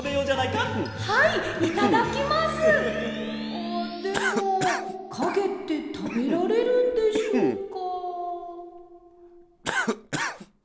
あっでもかげってたべられるんでしょうか？